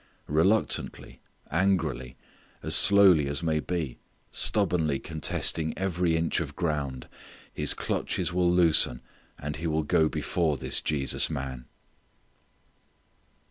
Reluctantly, angrily, as slowly as may be, stubbornly contesting every inch of ground, his clutches will loosen and he will go before this Jesus man.